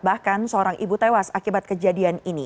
bahkan seorang ibu tewas akibat kejadian ini